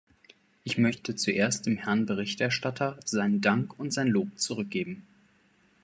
Ich möchte zuerst dem Herrn Berichterstatter seinen Dank und sein Lob zurückgeben.